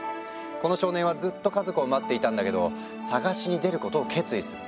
この少年はずっと家族を待っていたんだけど捜しに出ることを決意する。